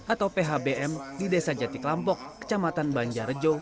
atau phbm di desa jatik lampok kecamatan banjarjo